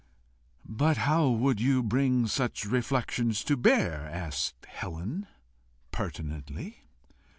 "But how would you bring such reflections to bear?" asked Helen, pertinently.